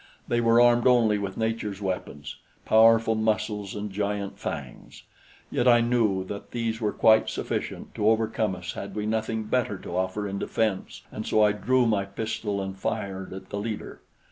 They were armed only with nature's weapons powerful muscles and giant fangs; yet I knew that these were quite sufficient to overcome us had we nothing better to offer in defense, and so I drew my pistol and fired at the leader.